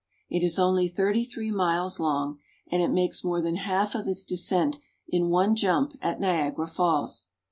It is only thirty three miles long, and it makes more than half of its descent in one jump at Niagara Falls.